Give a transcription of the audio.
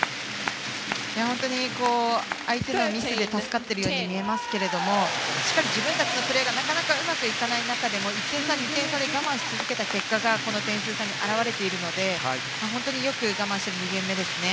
本当に相手のミスで助かっているように見えますがしっかり自分たちのプレーがなかなかうまくいかない中でも１点差、２点差で我慢し続けた結果がこの点数差に表れているので本当によく我慢しての２ゲーム目ですね。